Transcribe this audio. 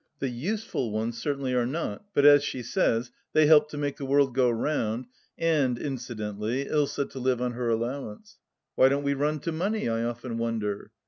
The useful ones certainly are not, but, as she says, they help to make the world go round and, incidentally, Ilsa to live on her allowance. Why don't we run to money ? I often wonder.